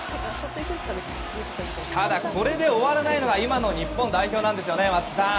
ただ、これで終わらないのが今の日本代表なんですよね松木さん。